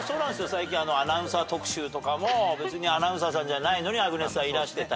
最近アナウンサー特集とかも別にアナウンサーさんじゃないのにアグネスさんいらしてたりとか。